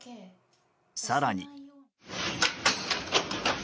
さらに。